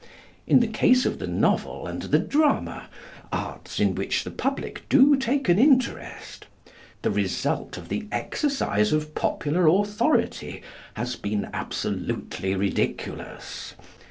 In the case of the novel and the drama, arts in which the public do take an interest, the result of the exercise of popular authority has been absolutely ridiculous.